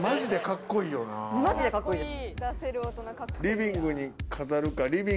マジでカッコいいです。